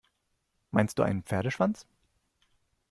Meinst du einen Pferdeschwanz?